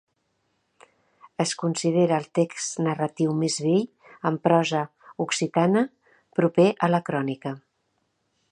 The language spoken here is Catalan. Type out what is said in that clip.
Es considera el text narratiu més vell en prosa occitana, proper a la crònica.